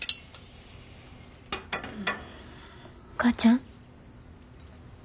お母ちゃん？